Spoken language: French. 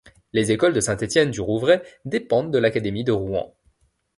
Les écoles de Saint-Etienne-du-Rouvray dépendent de l'académie de Rouen.